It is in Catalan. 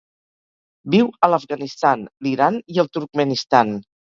Viu a l'Afganistan, l'Iran i el Turkmenistan.